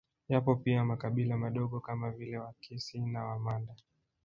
Yapo pia makabila madogo kama vile Wakisi na Wamanda